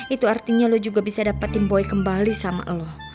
itu artinya lo juga bisa dapatin boy kembali sama allah